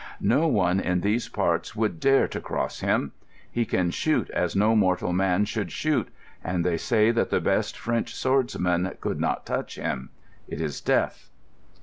No one in these parts would dare to cross him. He can shoot as no mortal man should shoot, and they say that the best French swordsmen could not touch him. It is death."